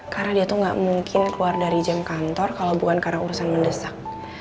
karena dia tuh gak mungkin keluar dari jam kantor kalau bukan karena urusan mendesak